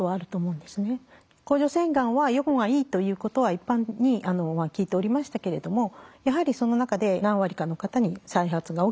甲状腺がんは予後がいいということは一般に聞いておりましたけれどもやはりその中で何割かの方に再発が起きたりとか。